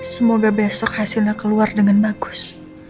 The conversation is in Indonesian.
semoga besok hasilnya keluar dengan bagus